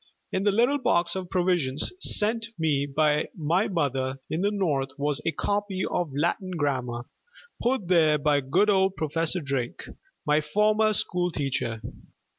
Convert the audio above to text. In the little box of provisions sent me by my mother in the North was a copy of a Latin grammar, put there by good old Professor Drake, my former school teacher.